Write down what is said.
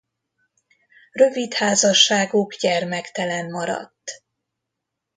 Rövid házasságuk gyermektelen maradt.